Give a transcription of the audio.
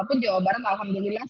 untukwo banda amara terbang